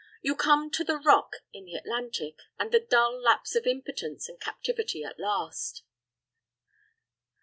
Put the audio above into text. You come to the rock in the Atlantic, and the dull lapse of impotence and captivity at last!